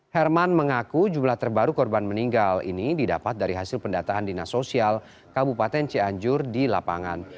herman mengaku jumlah terbaru korban meninggal ini didapat dari hasil pendataan dinas sosial kabupaten cianjur di lapangan